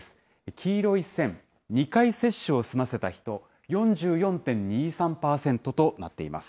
黄色い線、２回接種を済ませた人、４４．２３％となっています。